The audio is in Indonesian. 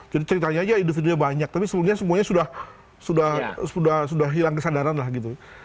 jadi ceritanya aja individunya banyak tapi sebenarnya semuanya sudah hilang kesadaran lah gitu